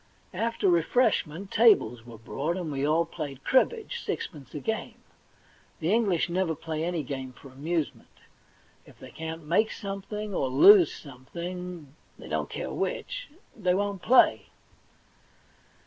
After refreshment, tables were brought, and we all played cribbage, sixpence a game. The English never play any game for amusement. If they can't make something or lose something — they don't care which — they won't play.